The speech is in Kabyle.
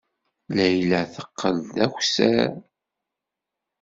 Layla teqqel d akessar.